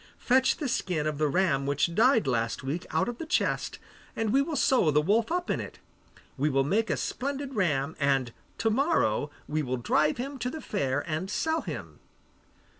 Fetch the skin of the ram which died last week out of the chest, and we will sew the wolf up in it. He will make a splendid ram, and to morrow we will drive him to the fair and sell him.